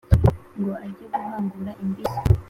Ngo age guhangura Imbizi